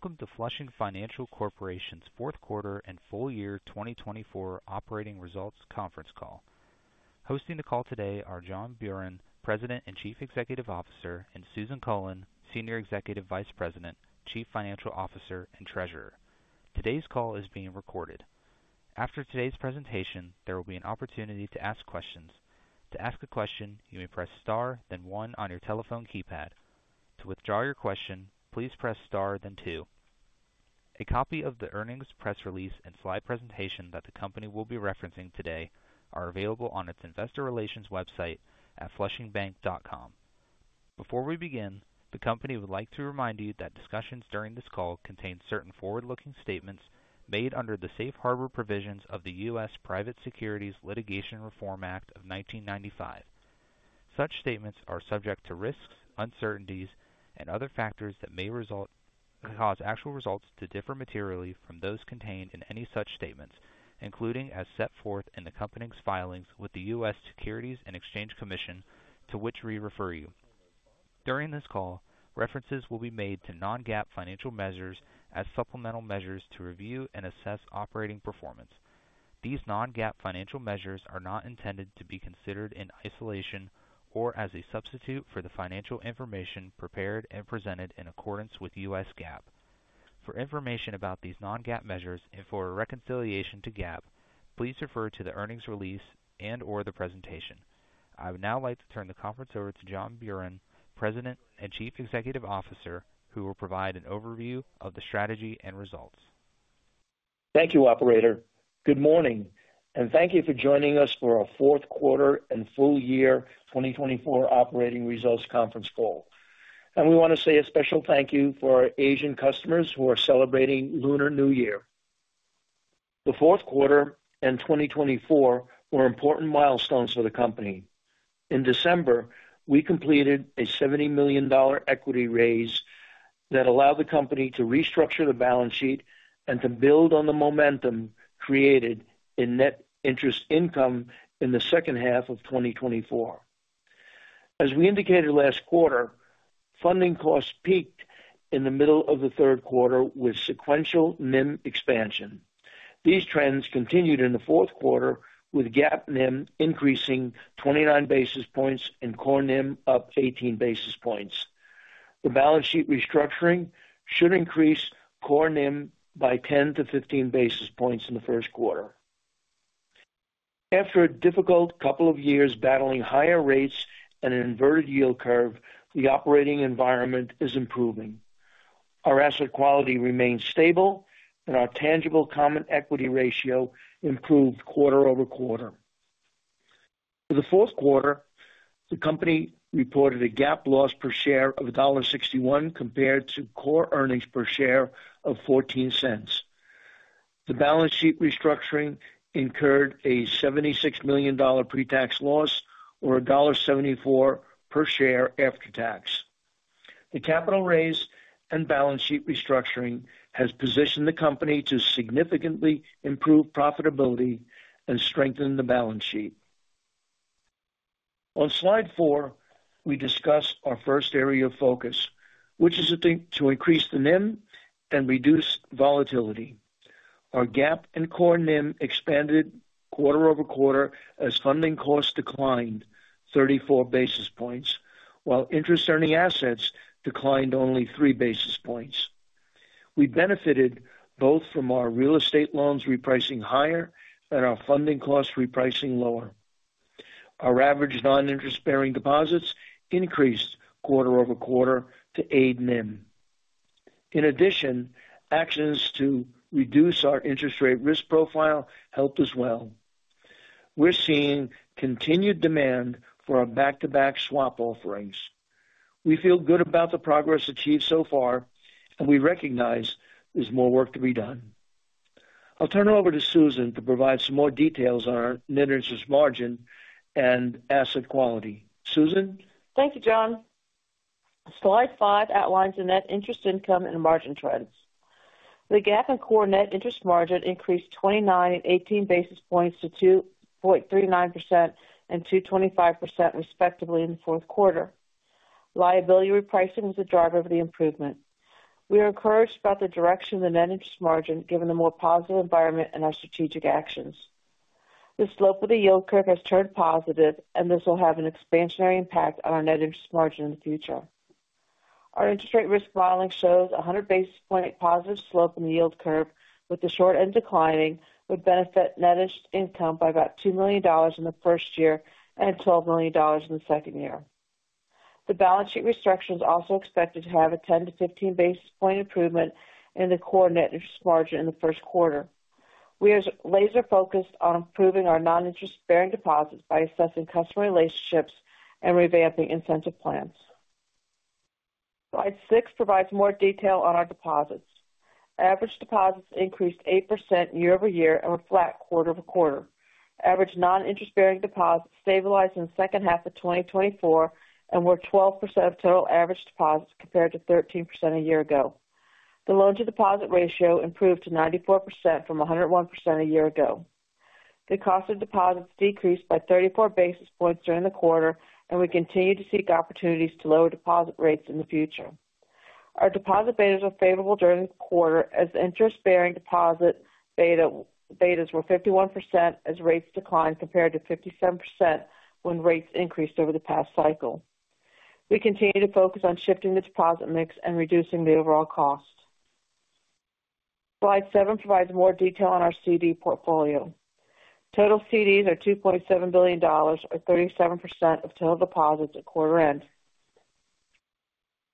Welcome to Flushing Financial Corporation's fourth quarter and full year 2024 operating results conference call. Hosting the call today are John Buran, President and Chief Executive Officer, and Susan Cullen, Senior Executive Vice President, Chief Financial Officer, and Treasurer. Today's call is being recorded. After today's presentation, there will be an opportunity to ask questions. To ask a question, you may press star, then one on your telephone keypad. To withdraw your question, please press star, then two. A copy of the earnings press release and slide presentation that the company will be referencing today are available on its investor relations website at flushingbank.com. Before we begin, the company would like to remind you that discussions during this call contain certain forward-looking statements made under the safe harbor provisions of the U.S. Private Securities Litigation Reform Act of 1995. Such statements are subject to risks, uncertainties, and other factors that may cause actual results to differ materially from those contained in any such statements, including as set forth in the company's filings with the U.S. Securities and Exchange Commission, to which we refer you. During this call, references will be made to non-GAAP financial measures as supplemental measures to review and assess operating performance. These non-GAAP financial measures are not intended to be considered in isolation or as a substitute for the financial information prepared and presented in accordance with U.S. GAAP. For information about these non-GAAP measures and for a reconciliation to GAAP, please refer to the earnings release and/or the presentation. I would now like to turn the conference over to John Buran, President and Chief Executive Officer, who will provide an overview of the strategy and results. Thank you, Operator. Good morning, and thank you for joining us for our fourth quarter and full year 2024 operating results conference call. We want to say a special thank you to our Asian customers who are celebrating Lunar New Year. The fourth quarter and 2024 were important milestones for the company. In December, we completed a $70 million equity raise that allowed the company to restructure the balance sheet and to build on the momentum created in net interest income in the second half of 2024. As we indicated last quarter, funding costs peaked in the middle of the third quarter with sequential NIM expansion. These trends continued in the fourth quarter, with GAAP NIM increasing 29 basis points and core NIM up 18 basis points. The balance sheet restructuring should increase core NIM by 10-15 basis points in the first quarter. After a difficult couple of years battling higher rates and an inverted yield curve, the operating environment is improving. Our asset quality remained stable, and our tangible common equity ratio improved quarter-over-quarter. For the fourth quarter, the company reported a GAAP loss per share of $1.61 compared to core earnings per share of $0.14. The balance sheet restructuring incurred a $76 million pre-tax loss, or $1.74 per share after tax. The capital raise and balance sheet restructuring have positioned the company to significantly improve profitability and strengthen the balance sheet. On slide four, we discuss our first area of focus, which is to increase the NIM and reduce volatility. Our GAAP and core NIM expanded quarter-over-quarter as funding costs declined 34 basis points, while interest-earning assets declined only 3 basis points. We benefited both from our real estate loans repricing higher and our funding costs repricing lower. Our average non-interest-bearing deposits increased quarter-over-quarter to aid NIM. In addition, actions to reduce our interest rate risk profile helped as well. We're seeing continued demand for our back-to-back swap offerings. We feel good about the progress achieved so far, and we recognize there's more work to be done. I'll turn it over to Susan to provide some more details on our net interest margin and asset quality. Susan? Thank you, John. Slide five outlines the net interest income and margin trends. The GAAP and core net interest margin increased 29 and 18 basis points to 2.39% and 2.25%, respectively, in the fourth quarter. Liability repricing was the driver of the improvement. We are encouraged about the direction of the net interest margin, given the more positive environment and our strategic actions. The slope of the yield curve has turned positive, and this will have an expansionary impact on our net interest margin in the future. Our interest rate risk modeling shows a 100 basis points positive slope in the yield curve, with the short end declining, which benefits net interest income by about $2 million in the first year and $12 million in the second year. The balance sheet restructuring is also expected to have a 10-15 basis point improvement in the core net interest margin in the first quarter. We are laser-focused on improving our non-interest-bearing deposits by assessing customer relationships and revamping incentive plans. Slide six provides more detail on our deposits. Average deposits increased 8% year-over-year and were flat quarter-over-quarter. Average non-interest-bearing deposits stabilized in the second half of 2024 and were 12% of total average deposits compared to 13% a year ago. The loan-to-deposit ratio improved to 94% from 101% a year ago. The cost of deposits decreased by 34 basis points during the quarter, and we continue to seek opportunities to lower deposit rates in the future. Our deposit betas are favorable during the quarter, as interest-bearing deposit betas were 51%, as rates declined compared to 57% when rates increased over the past cycle. We continue to focus on shifting the deposit mix and reducing the overall cost. Slide seven provides more detail on our CD portfolio. Total CDs are $2.7 billion, or 37% of total deposits at quarter end.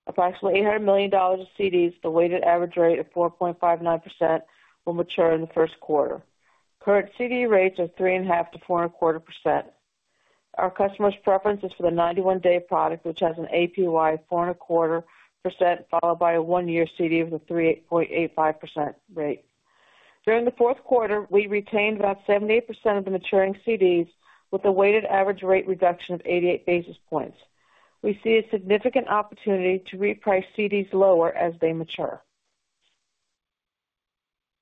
Approximately $800 million of CDs, the weighted average rate of 4.59%, will mature in the first quarter. Current CD rates are 3.5%-4.25%. Our customers' preference is for the 91-Day product, which has an APY of 4.25%, followed by a one-year CD with a 3.85% rate. During the fourth quarter, we retained about 78% of the maturing CDs, with a weighted average rate reduction of 88 basis points. We see a significant opportunity to reprice CDs lower as they mature.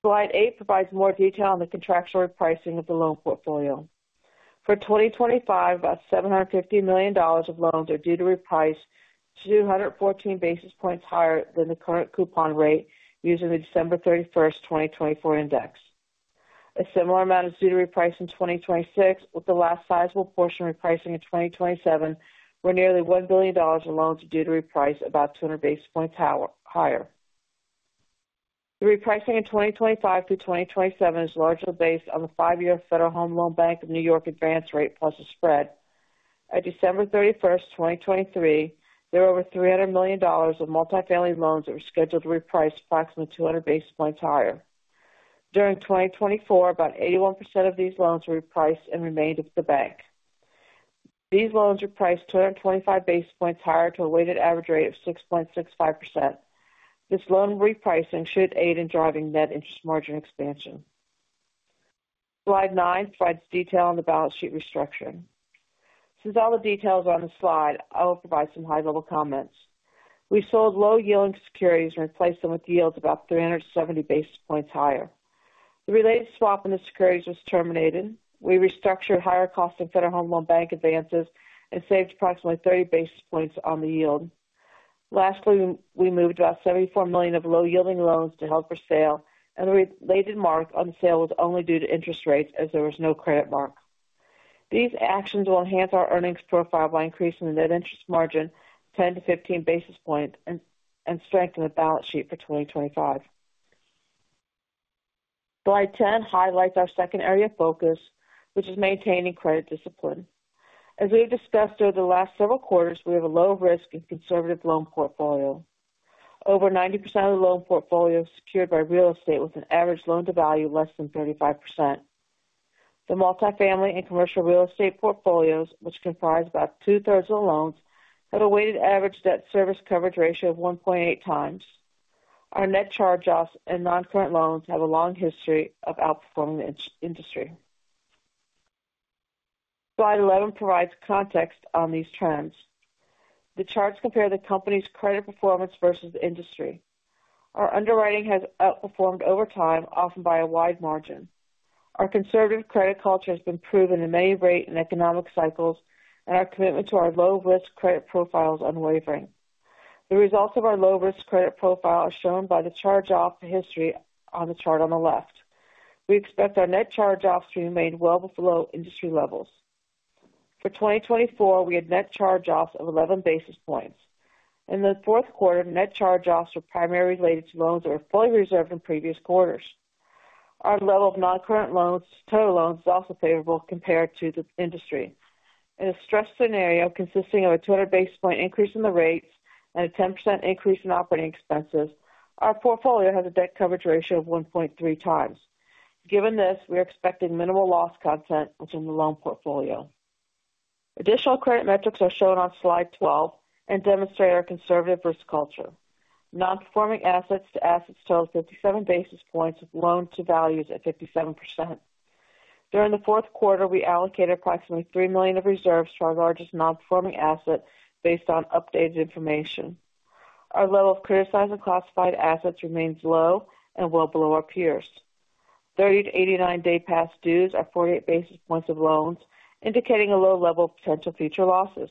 Slide eight provides more detail on the contractual repricing of the loan portfolio. For 2025, about $750 million of loans are due to reprice 214 basis points higher than the current coupon rate using the December 31st, 2024, index. A similar amount is due to reprice in 2026, with the last sizable portion repricing in 2027, where nearly $1 billion of loans are due to reprice about 200 basis points higher. The repricing in 2025 through 2027 is largely based on the five-year Federal Home Loan Bank of New York advance rate plus a spread. At December 31st, 2023, there were over $300 million of multifamily loans that were scheduled to reprice approximately 200 basis points higher. During 2024, about 81% of these loans were repriced and remained with the bank. These loans were priced 225 basis points higher to a weighted average rate of 6.65%. This loan repricing should aid in driving net interest margin expansion. Slide nine provides detail on the balance sheet restructuring. Since all the details are on the slide, I will provide some high-level comments. We sold low-yielding securities and replaced them with yields about 370 basis points higher. The related swap in the securities was terminated. We restructured higher-cost Federal Home Loan Bank advances and saved approximately 30 basis points on the yield. Lastly, we moved about $74 million of low-yielding loans to held for sale, and the related mark on sale was only due to interest rates, as there was no credit mark. These actions will enhance our earnings profile by increasing the net interest margin 10-15 basis points and strengthen the balance sheet for 2025. Slide 10 highlights our second area of focus, which is maintaining credit discipline. As we've discussed over the last several quarters, we have a low-risk and conservative loan portfolio. Over 90% of the loan portfolio is secured by real estate, with an average loan-to-value of less than 35%. The multifamily and commercial real estate portfolios, which comprise about 2/3 of the loans, have a weighted average debt service coverage ratio of 1.8x. Our net charge-offs and non-current loans have a long history of outperforming the industry. Slide 11 provides context on these trends. The charts compare the company's credit performance versus the industry. Our underwriting has outperformed over time, often by a wide margin. Our conservative credit culture has been proven in many rate and economic cycles, and our commitment to our low-risk credit profile is unwavering. The results of our low-risk credit profile are shown by the charge-off history on the chart on the left. We expect our net charge-offs to remain well below industry levels. For 2024, we had net charge-offs of 11 basis points. In the fourth quarter, net charge-offs were primarily related to loans that were fully reserved in previous quarters. Our level of non-current loans to total loans is also favorable compared to the industry. In a stressed scenario consisting of a 200 basis point increase in the rates and a 10% increase in operating expenses, our portfolio has a debt coverage ratio of 1.3x. Given this, we are expecting minimal loss content within the loan portfolio. Additional credit metrics are shown on slide 12 and demonstrate our conservative risk culture. Non-performing assets to assets total 57 basis points, with loans-to-values at 57%. During the fourth quarter, we allocated approximately $3 million of reserves to our largest non-performing asset based on updated information. Our level of criticized and classified assets remains low and well below our peers. 30 to 89-day past dues are 48 basis points of loans, indicating a low level of potential future losses.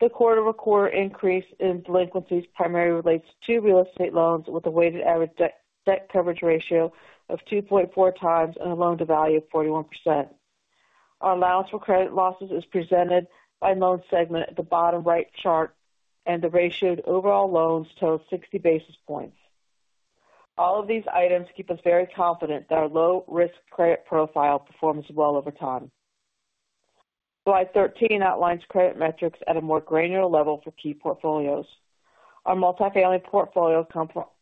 The quarter-over-quarter increase in delinquencies primarily relates to real estate loans, with a weighted average debt coverage ratio of 2.4x and a loan-to-value of 41%. Our allowance for credit losses is presented by loan segment at the bottom right chart, and the ratio to overall loans totals 60 basis points. All of these items keep us very confident that our low-risk credit profile performs well over time. Slide 13 outlines credit metrics at a more granular level for key portfolios. Our multifamily portfolio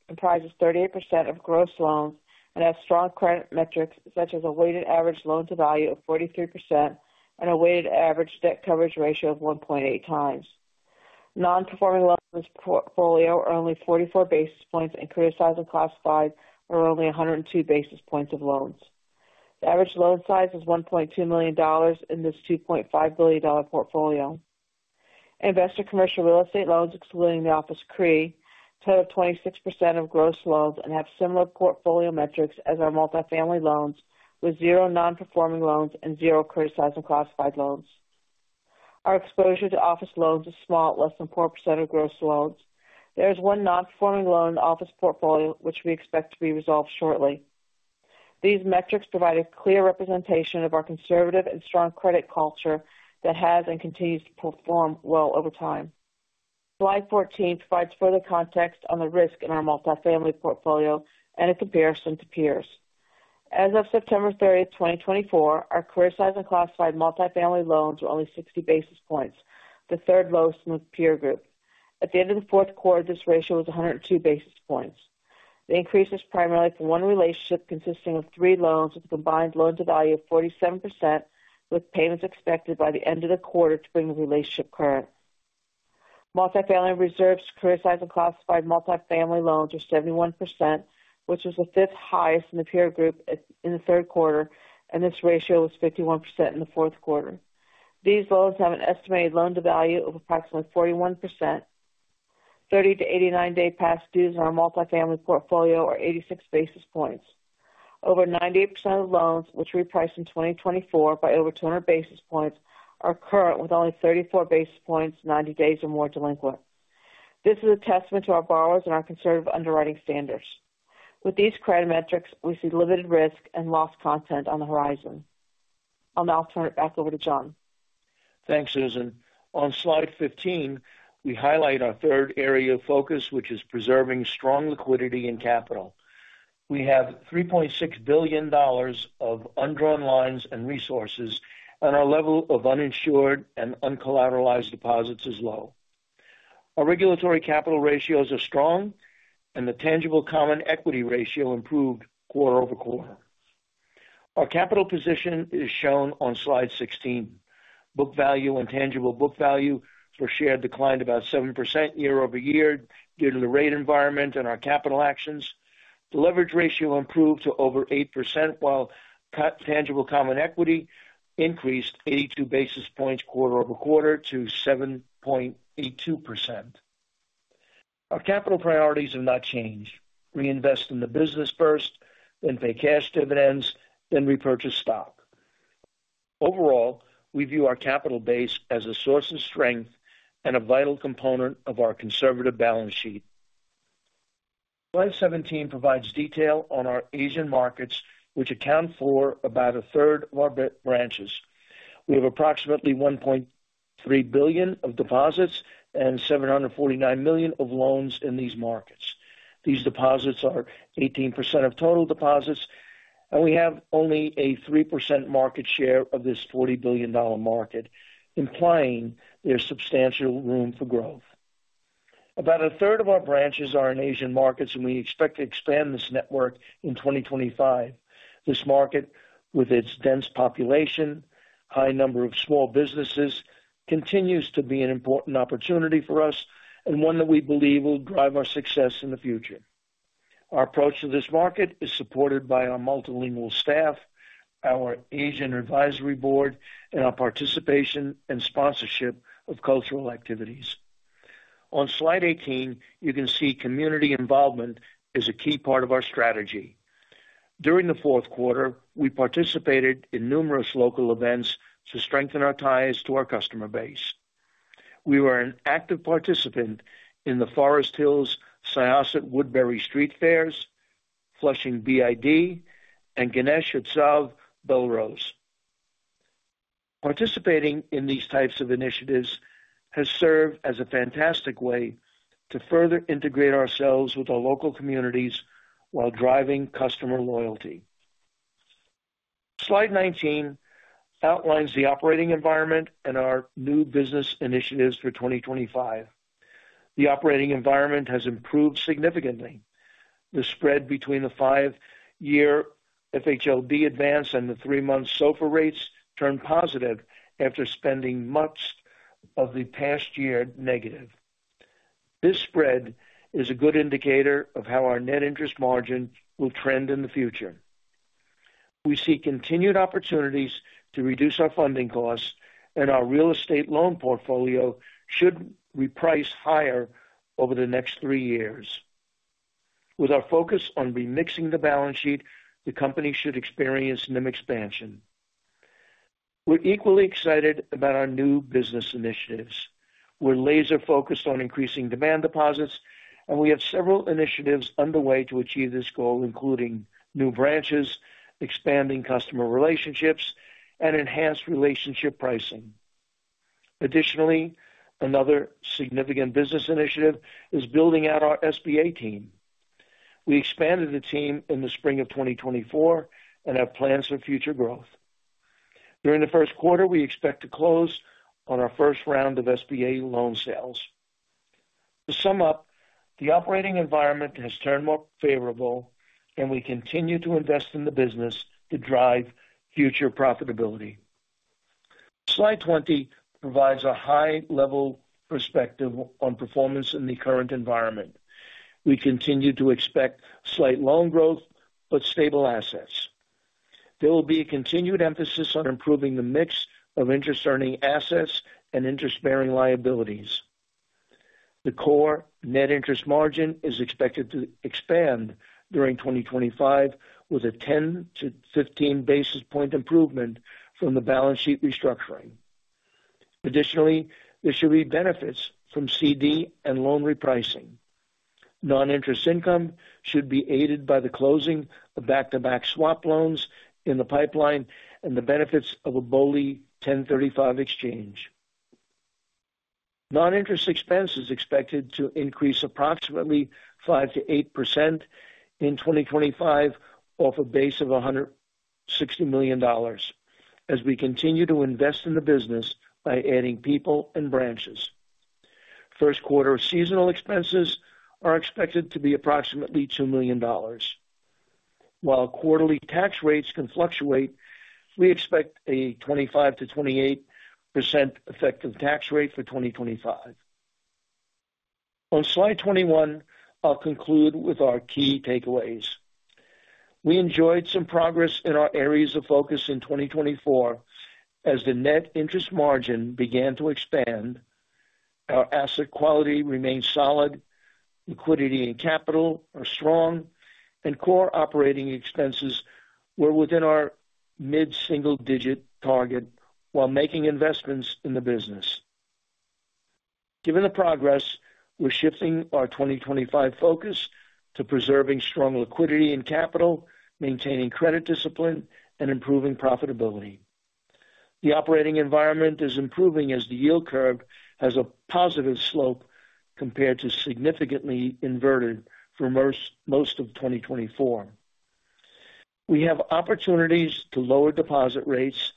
comprises 38% of gross loans and has strong credit metrics, such as a weighted average loan-to-value of 43% and a weighted average debt coverage ratio of 1.8x. Non-performing loans in this portfolio are only 44 basis points, and criticized and classified are only 102 basis points of loans. The average loan size is $1.2 million in this $2.5 billion portfolio. Investor commercial real estate loans, excluding the office CRE, total 26% of gross loans and have similar portfolio metrics as our multifamily loans, with zero non-performing loans and zero criticized and classified loans. Our exposure to office loans is small, less than 4% of gross loans. There is one non-performing loan in the office portfolio, which we expect to be resolved shortly. These metrics provide a clear representation of our conservative and strong credit culture that has and continues to perform well over time. Slide 14 provides further context on the risk in our multifamily portfolio and a comparison to peers. As of September 30th, 2024, our criticized and classified multifamily loans were only 60 basis points, the third lowest in the peer group. At the end of the fourth quarter, this ratio was 102 basis points. The increase is primarily from one relationship consisting of three loans with a combined loan-to-value of 47%, with payments expected by the end of the quarter to bring the relationship current. Multifamily reserves to criticized and classified multifamily loans are 71%, which was the fifth highest in the peer group in the third quarter, and this ratio was 51% in the fourth quarter. These loans have an estimated loan-to-value of approximately 41%. 30 to 89-day past dues in our multifamily portfolio are 86 basis points. Over 98% of loans, which repriced in 2024 by over 200 basis points, are current with only 34 basis points, 90 days or more delinquent. This is a testament to our borrowers and our conservative underwriting standards. With these credit metrics, we see limited risk and loss content on the horizon. I'll now turn it back over to John. Thanks, Susan. On slide 15, we highlight our third area of focus, which is preserving strong liquidity and capital. We have $3.6 billion of undrawn lines and resources, and our level of uninsured and uncollateralized deposits is low. Our regulatory capital ratios are strong, and the tangible common equity ratio improved quarter-over-quarter. Our capital position is shown on slide 16. Book value and tangible book value per share declined about 7% year-over-year due to the rate environment and our capital actions. The leverage ratio improved to over 8%, while tangible common equity increased 82 basis points quarter-over-quarter to 7.82%. Our capital priorities have not changed. Reinvest in the business first, then pay cash dividends, then repurchase stock. Overall, we view our capital base as a source of strength and a vital component of our conservative balance sheet. Slide 17 provides detail on our Asian markets, which account for about 1/3 of our branches. We have approximately $1.3 billion of deposits and $749 million of loans in these markets. These deposits are 18% of total deposits, and we have only a 3% market share of this $40 billion market, implying there's substantial room for growth. About a third of our branches are in Asian markets, and we expect to expand this network in 2025. This market, with its dense population, high number of small businesses, continues to be an important opportunity for us and one that we believe will drive our success in the future. Our approach to this market is supported by our multilingual staff, our Asian Advisory Board, and our participation and sponsorship of cultural activities. On slide 18, you can see community involvement is a key part of our strategy. During the fourth quarter, we participated in numerous local events to strengthen our ties to our customer base. We were an active participant in the Forest Hills, Syosset-Woodbury Street Fairs, Flushing BID, and Ganesh Utsav Bellerose. Participating in these types of initiatives has served as a fantastic way to further integrate ourselves with our local communities while driving customer loyalty. Slide 19 outlines the operating environment and our new business initiatives for 2025. The operating environment has improved significantly. The spread between the five-year FHLB advance and the three-month SOFR rates turned positive after spending much of the past year negative. This spread is a good indicator of how our net interest margin will trend in the future. We see continued opportunities to reduce our funding costs, and our real estate loan portfolio should reprice higher over the next three years. With our focus on remixing the balance sheet, the company should experience some expansion. We're equally excited about our new business initiatives. We're laser-focused on increasing demand deposits, and we have several initiatives underway to achieve this goal, including new branches, expanding customer relationships, and enhanced relationship pricing. Additionally, another significant business initiative is building out our SBA team. We expanded the team in the spring of 2024 and have plans for future growth. During the first quarter, we expect to close on our first round of SBA loan sales. To sum up, the operating environment has turned more favorable, and we continue to invest in the business to drive future profitability. Slide 20 provides a high-level perspective on performance in the current environment. We continue to expect slight loan growth, but stable assets. There will be a continued emphasis on improving the mix of interest-earning assets and interest-bearing liabilities. The core net interest margin is expected to expand during 2025, with a 10-15 basis points improvement from the balance sheet restructuring. Additionally, there should be benefits from CD and loan repricing. Non-interest income should be aided by the closing of back-to-back swap loans in the pipeline and the benefits of a BOLI 1035 exchange. Non-interest expense is expected to increase approximately 5%-8% in 2025 off a base of $160 million, as we continue to invest in the business by adding people and branches. First quarter seasonal expenses are expected to be approximately $2 million. While quarterly tax rates can fluctuate, we expect a 25%-28% effective tax rate for 2025. On slide 21, I'll conclude with our key takeaways. We enjoyed some progress in our areas of focus in 2024 as the net interest margin began to expand. Our asset quality remained solid, liquidity and capital are strong, and core operating expenses were within our mid-single-digit target while making investments in the business. Given the progress, we're shifting our 2025 focus to preserving strong liquidity and capital, maintaining credit discipline, and improving profitability. The operating environment is improving as the yield curve has a positive slope compared to significantly inverted for most of 2024. We have opportunities to lower deposit rates,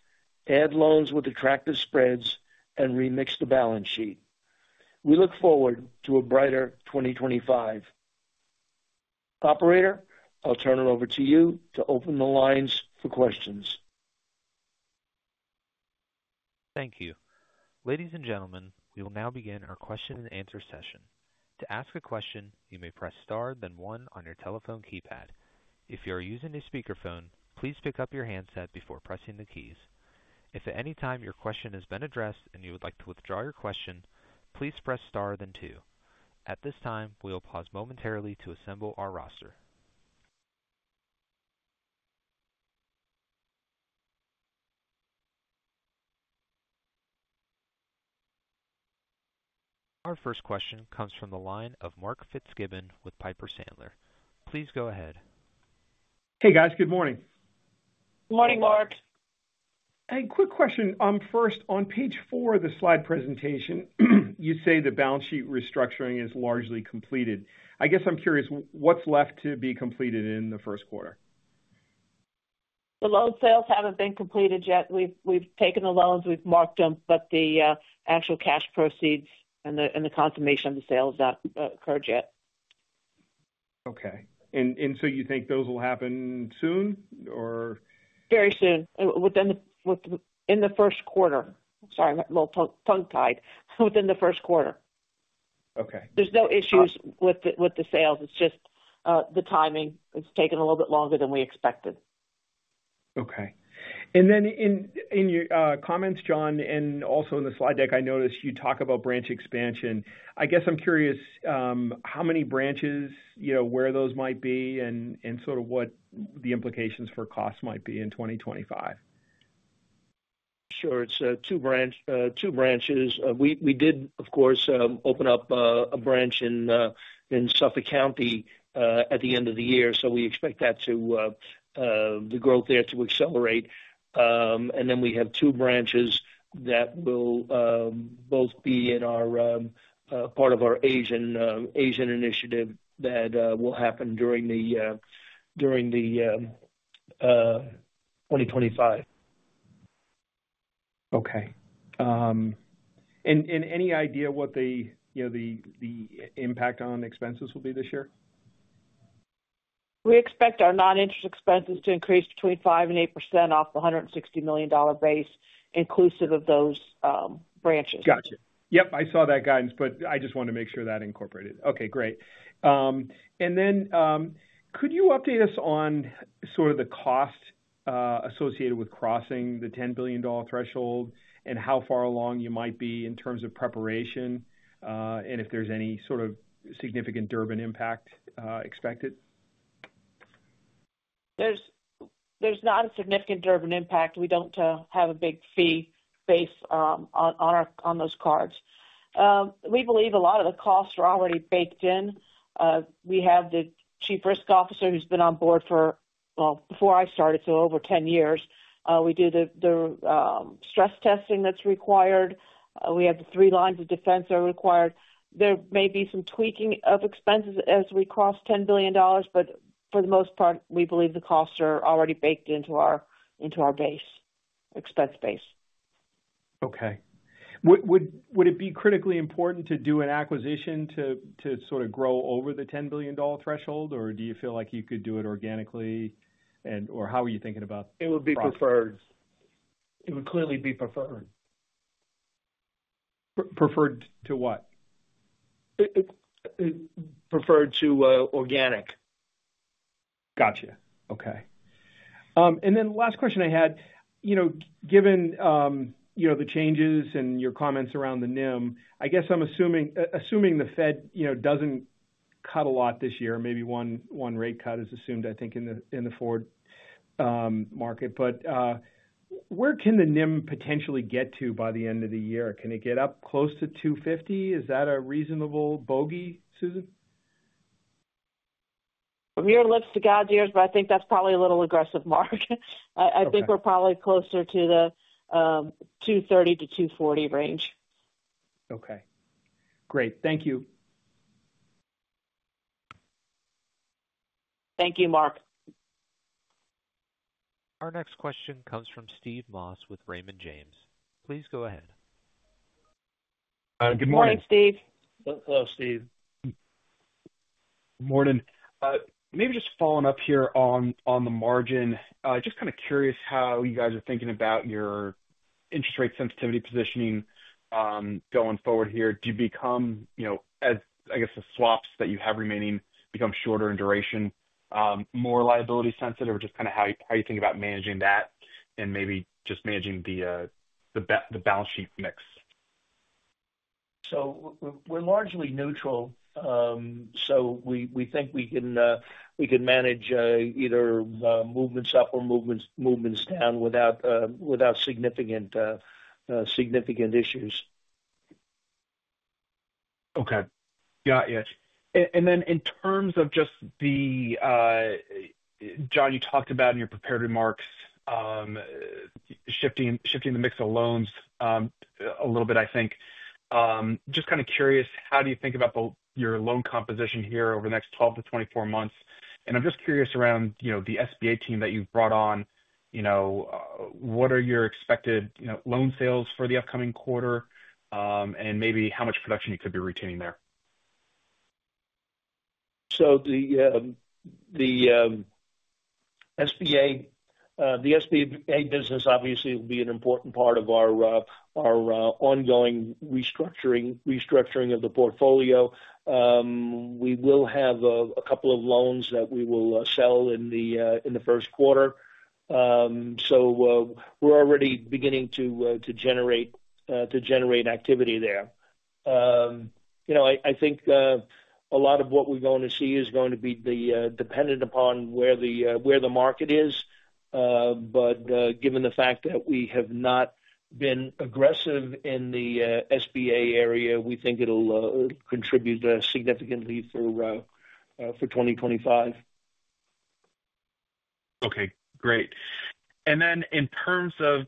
add loans with attractive spreads, and remix the balance sheet. We look forward to a brighter 2025. Operator, I'll turn it over to you to open the lines for questions. Thank you. Ladies and gentlemen, we will now begin our question-and-answer session. To ask a question, you may press star, then one on your telephone keypad. If you are using a speakerphone, please pick up your handset before pressing the keys. If at any time your question has been addressed and you would like to withdraw your question, please press star, then two. At this time, we will pause momentarily to assemble our roster. Our first question comes from the line of Mark Fitzgibbon with Piper Sandler. Please go ahead. Hey, guys. Good morning. Good morning, Mark. Hey, quick question. First, on page four of the slide presentation, you say the balance sheet restructuring is largely completed. I guess I'm curious, what's left to be completed in the first quarter? The loan sales haven't been completed yet. We've taken the loans, we've marked them, but the actual cash proceeds and the consummation of the sales have not occurred yet. Okay. And so you think those will happen soon or? Very soon. In the first quarter. Sorry, I'm a little tongue-tied. Within the first quarter. Okay. There's no issues with the sales. It's just the timing has taken a little bit longer than we expected. Okay. And then in your comments, John, and also in the slide deck, I noticed you talk about branch expansion. I guess I'm curious how many branches, where those might be, and sort of what the implications for cost might be in 2025? Sure. It's two branches. We did, of course, open up a branch in Suffolk County at the end of the year, so we expect the growth there to accelerate. And then we have two branches that will both be in our part of our Asian initiative that will happen during the 2025. Okay, and any idea what the impact on expenses will be this year? We expect our non-interest expenses to increase between 5% and 8% off the $160 million base, inclusive of those branches. Gotcha. Yep, I saw that guidance, but I just wanted to make sure that incorporated. Okay, great. And then could you update us on sort of the cost associated with crossing the $10 billion threshold and how far along you might be in terms of preparation and if there's any sort of significant Durbin impact expected? There's not a significant Durbin impact. We don't have a big fee base on those cards. We believe a lot of the costs are already baked in. We have the chief risk officer who's been on board for, well, before I started, so over 10 years. We do the stress testing that's required. We have the three lines of defense that are required. There may be some tweaking of expenses as we cross $10 billion, but for the most part, we believe the costs are already baked into our base, expense base. Okay. Would it be critically important to do an acquisition to sort of grow over the $10 billion threshold, or do you feel like you could do it organically, or how are you thinking about that? It would be preferred. It would clearly be preferred. Preferred to what? Preferred to organic. Gotcha. Okay. And then last question I had, given the changes and your comments around the NIM, I guess I'm assuming the Fed doesn't cut a lot this year. Maybe one rate cut is assumed, I think, in the forward market. But where can the NIM potentially get to by the end of the year? Can it get up close to 250? Is that a reasonable bogey, Susan? From your lips to God's ears, but I think that's probably a little aggressive, Mark. I think we're probably closer to the 230-240 range. Okay. Great. Thank you. Thank you, Mark. Our next question comes from Steve Moss with Raymond James. Please go ahead. Good morning. Morning, Steve. Hello, Steve. Morning. Maybe just following up here on the margin, just kind of curious how you guys are thinking about your interest rate sensitivity positioning going forward here? Do you become, I guess, the swaps that you have remaining become shorter in duration, more liability sensitive, or just kind of how you think about managing that and maybe just managing the balance sheet mix? So we're largely neutral. So we think we can manage either movements up or movements down without significant issues. Okay. Got you. And then in terms of just the, John, you talked about in your prepared remarks shifting the mix of loans a little bit, I think. Just kind of curious, how do you think about your loan composition here over the next 12-24 months? And I'm just curious around the SBA team that you've brought on. What are your expected loan sales for the upcoming quarter and maybe how much production you could be retaining there? The SBA business obviously will be an important part of our ongoing restructuring of the portfolio. We will have a couple of loans that we will sell in the first quarter. We're already beginning to generate activity there. I think a lot of what we're going to see is going to be dependent upon where the market is. Given the fact that we have not been aggressive in the SBA area, we think it'll contribute significantly for 2025. Okay. Great. And then in terms of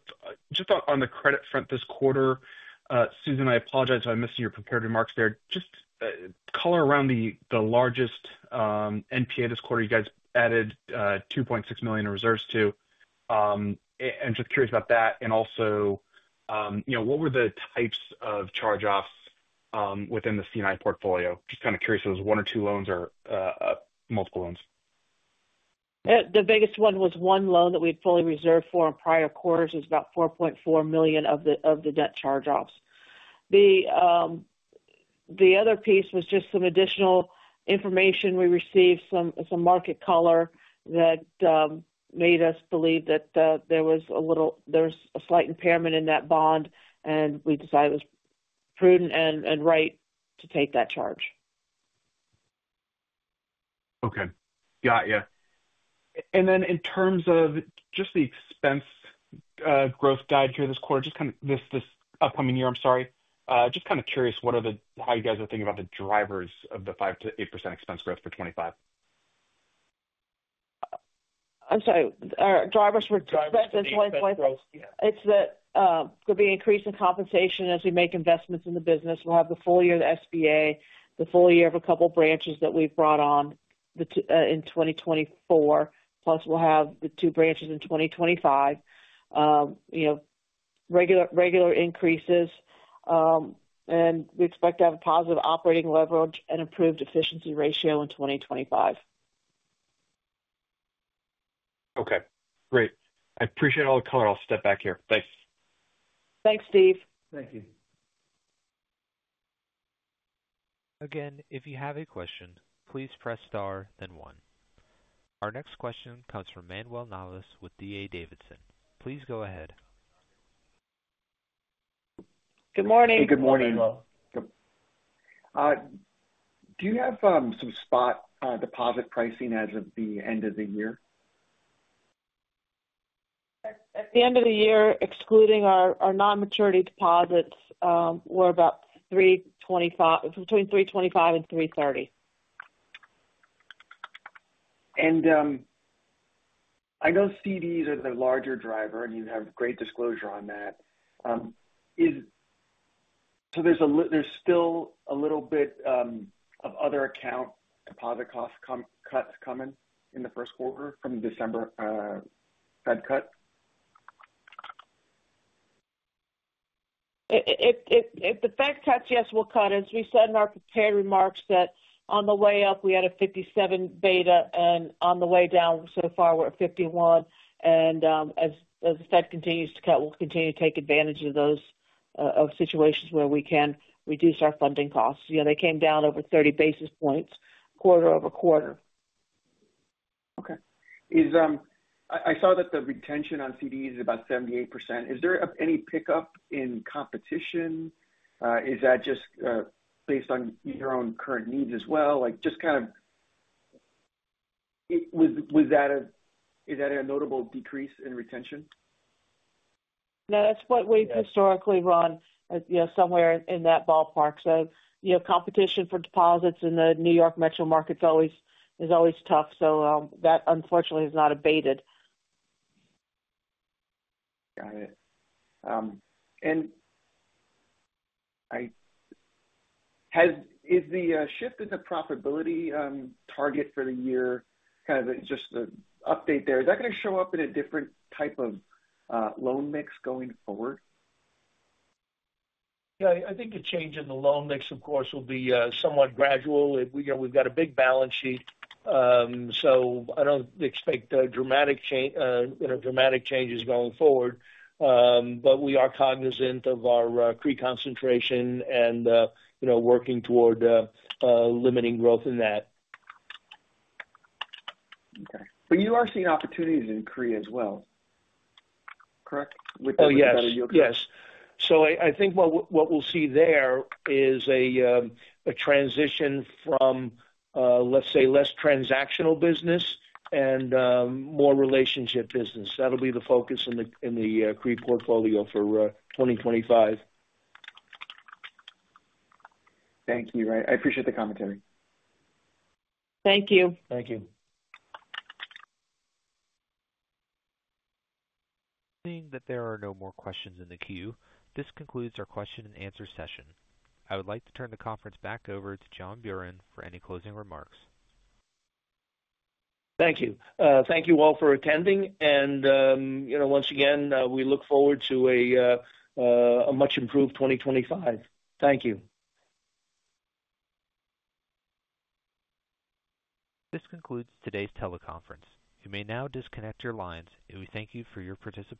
just on the credit front this quarter, Susan, I apologize if I'm missing your prepared remarks there. Just color around the largest NPA this quarter you guys added $2.6 million in reserves to. And just curious about that. And also, what were the types of charge-offs within the C&I portfolio? Just kind of curious if it was one or two loans or multiple loans. The biggest one was one loan that we had fully reserved for in prior quarters. It was about $4.4 million of the net charge-offs. The other piece was just some additional information we received, some market color that made us believe that there was a slight impairment in that bond, and we decided it was prudent and right to take that charge. Okay. Got you. And then in terms of just the expense growth guide here this quarter, just kind of this upcoming year, I'm sorry. Just kind of curious how you guys are thinking about the drivers of the 5%-8% expense growth for 2025? I'm sorry. Drivers for expense and 2025? Drivers for expense growth. It's that there'll be an increase in compensation as we make investments in the business. We'll have the full year of the SBA, the full year of a couple of branches that we've brought on in 2024, plus we'll have the two branches in 2025, regular increases, and we expect to have a positive operating leverage and improved efficiency ratio in 2025. Okay. Great. I appreciate all the color. I'll step back here. Thanks. Thanks, Steve. Thank you. Again, if you have a question, please press star, then one. Our next question comes from Manuel Navas with D.A. Davidson. Please go ahead. Good morning. Good morning. Thank you, Manuel. Good. Do you have some spot deposit pricing as of the end of the year? At the end of the year, excluding our non-maturity deposits, we're about between 325 and 330. And I know CDs are the larger driver, and you have great disclosure on that. So there's still a little bit of other account deposit cost cuts coming in the first quarter from the December Fed cut? If the Fed cuts, yes, we'll cut. As we said in our prepared remarks that on the way up, we had a 57 beta, and on the way down so far, we're at 51, and as the Fed continues to cut, we'll continue to take advantage of those situations where we can reduce our funding costs. They came down over 30 basis points quarter-over-quarter. Okay. I saw that the retention on CDs is about 78%. Is there any pickup in competition? Is that just based on your own current needs as well? Just kind of is that a notable decrease in retention? No, that's what we've historically run somewhere in that ballpark. So competition for deposits in the New York metro market is always tough. So that, unfortunately, has not abated. Got it. And is the shift in the profitability target for the year kind of just an update there? Is that going to show up in a different type of loan mix going forward? Yeah. I think the change in the loan mix, of course, will be somewhat gradual. We've got a big balance sheet, so I don't expect dramatic changes going forward. But we are cognizant of our CRE concentration and working toward limiting growth in that. Okay. But you are seeing opportunities in CRE as well, correct? With the better yield curve. Oh, yes. Yes. So I think what we'll see there is a transition from, let's say, less transactional business and more relationship business. That'll be the focus in the CRE portfolio for 2025. Thank you. I appreciate the commentary. Thank you. Thank you. Seeing that there are no more questions in the queue, this concludes our question-and-answer session. I would like to turn the conference back over to John Buran for any closing remarks. Thank you. Thank you all for attending. And once again, we look forward to a much-improved 2025. Thank you. This concludes today's teleconference. You may now disconnect your lines, and we thank you for your participation.